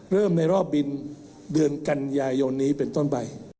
เริ่มในรอบบินเดือนกันยายนนี้เป็นต้นไป